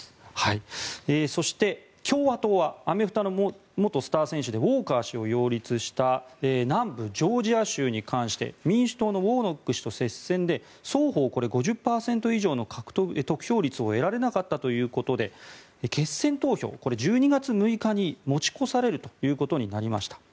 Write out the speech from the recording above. そして、共和党はアメフトの元スター選手でウォーカー氏を擁立した南部ジョージア州に関して民主党のウォーノック氏と接戦で双方５０％以上の得票率を得られなかったということで決選投票これ、１２月６日に持ち越されるということになりました。